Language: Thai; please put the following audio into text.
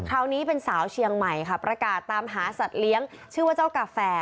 คราวนี้เป็นสาวเชียงใหม่ค่ะประกาศตามหาสัตว์เลี้ยงชื่อว่าเจ้ากาแฟ